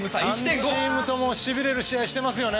３チームともしびれる試合してますからね。